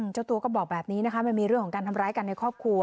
เจ้าตัวก็บอกแบบนี้นะคะมันมีเรื่องของการทำร้ายกันในครอบครัว